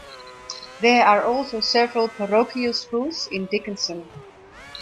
There are also several parochial schools in Dickinson.